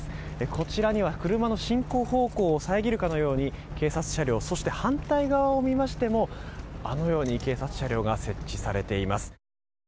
こちらには、車の進行方向を遮るかのように警察車両そして反対側を見ましてもあのように警察車両が設置されています。